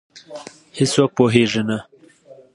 هیڅوک پوهېږې نه،